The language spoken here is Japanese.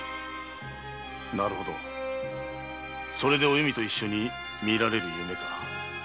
なるほどそれでお弓と一緒に見られる夢か。